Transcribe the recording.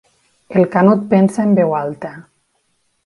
El Canut pensa en veu alta.